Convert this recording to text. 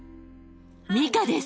ミカです。